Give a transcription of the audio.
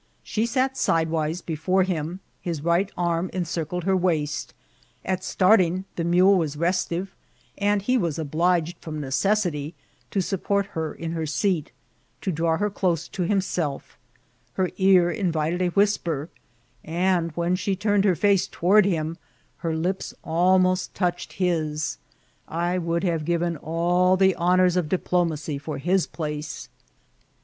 She sat sidewise before him ; his right arm encircled her waist ; at starting, the mule was restiffi and he was obliged, from necessity, to support her in her seat, to draw her close to himself; her ear invited a whisper ; and when she turned her fiice to ward him her lips almost touched his. I would hare given all the honours of diplomacy for his place.